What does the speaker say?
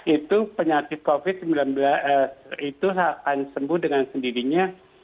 itu penyakit covid sembilan belas itu akan sembuh dengan sendirinya